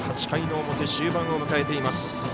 ８回の表、終盤を迎えています。